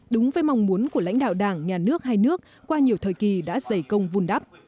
đúng với mong muốn của lãnh đạo đảng nhà nước hai nước qua nhiều thời kỳ đã dày công vun đắp